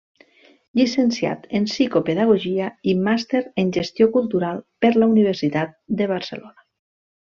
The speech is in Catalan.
Llicenciat en psicopedagogia i màster en gestió cultural per la Universitat de Barcelona.